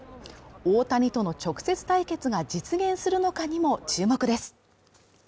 大谷との直接対決が実現するのかにも注目です。